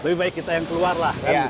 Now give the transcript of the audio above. lebih baik kita yang keluar lah